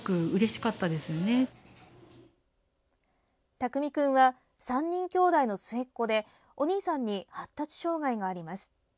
巧君は３人きょうだいの末っ子でお兄さんに発達障害があります。